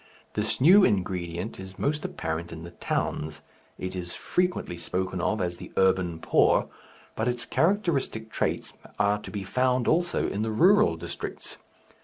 This new ingredient is most apparent in the towns, it is frequently spoken of as the Urban Poor, but its characteristic traits are to be found also in the rural districts.